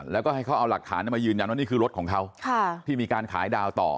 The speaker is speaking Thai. แล้วก็ให้เขาเอาหลักฐานมายืนยันว่านี่คือรถของเขาที่มีการขายดาวต่อ